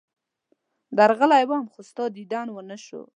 درغلی وم، خو ستا دیدن ونه شو.